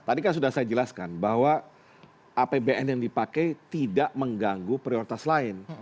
tadi kan sudah saya jelaskan bahwa apbn yang dipakai tidak mengganggu prioritas lain